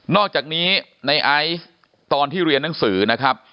อกจากนี้ในไอซ์ตอนที่เรียนหนังสือนะครับ